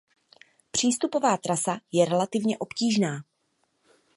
Přístupová trasa je relativně obtížná.